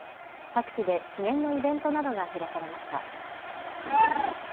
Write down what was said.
各地で記念のイベントなどが開かれました。